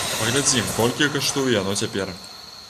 Паглядзім, колькі каштуе яно цяпер.